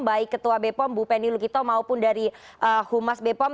baik ketua bepom bu penny lukito maupun dari humas bepom